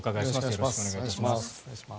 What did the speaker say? よろしくお願いします。